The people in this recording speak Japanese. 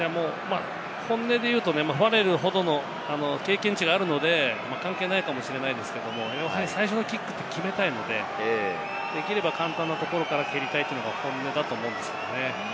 本音で言うと、ファレルほどの経験値があるので関係ないかもしれないですけど、最初のキックって決めたいので、できれば簡単なところから蹴りたいというのが本音だと思うんですけれどもね。